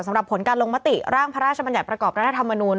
สำหรับผลการลงมติร่างพระราชบัญญัติประกอบรัฐธรรมนูล